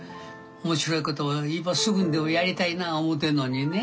面白い事を今すぐにでもやりたいな思うてんのにね